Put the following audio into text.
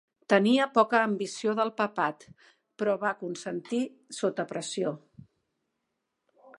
Tenia poca ambició del papat, però va consentir sota pressió.